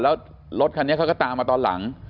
แล้วรถคันนี้เขาก็ตามมาตอนหลัง